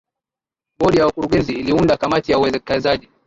bodi ya wakurugenzi iliunda kamati ya uwekezaji